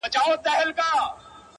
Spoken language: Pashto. ناپای دردونه دي پر لار ورسره مل زه یم;